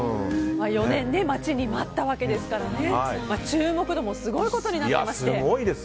４年待ちに待ったわけですから注目度もすごいことになってまして。